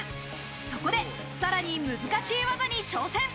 そこでさらに難しい技に挑戦。